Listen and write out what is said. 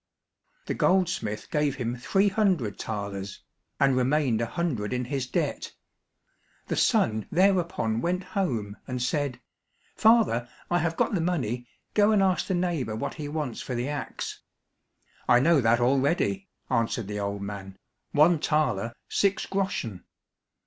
The goldsmith gave him three hundred thalers, and remained a hundred in his debt. The son thereupon went home and said, "Father, I have got the money, go and ask the neighbour what he wants for the axe." "I know that already," answered the old man, "one thaler, six groschen."